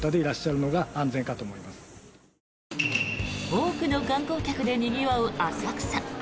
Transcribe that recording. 多くの観光客でにぎわう浅草。